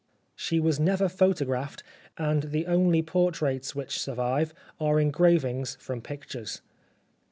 She was never photographed; and the only portraits which survive are engravings from pictures.